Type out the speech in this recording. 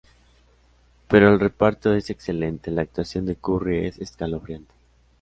Pero el reparto es excelente, la actuación de Curry es escalofriante".